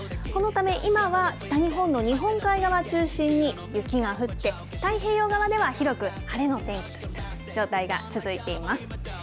このため、今は北日本の日本海側中心に雪が降って、太平洋側では広く晴れの天気の状態が続いています。